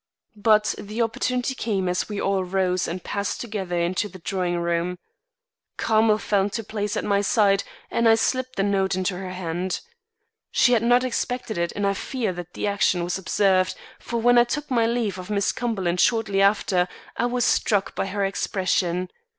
But the opportunity came as we all rose and passed together into the drawing room. Carmel fell into place at my side and I slipped the note into her hand. She had not expected it and I fear that the action was observed, for when I took my leave of Miss Cumberland shortly after, I was struck by her expression.